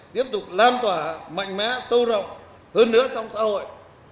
tiếp tục lan tỏa mạnh mẽ sâu rộng hơn nữa trong xã hội